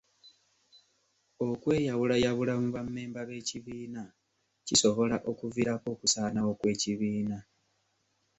Okweyawulayawula mu bammemba b'ekibiina kisobola okuviirako okusaanawo kw'ekibiina.